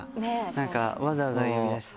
なんかわざわざ呼び出して。